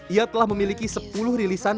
ia telah memiliki sepuluh rilisan